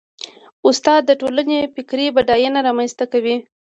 استاد د ټولنې فکري بډاینه رامنځته کوي.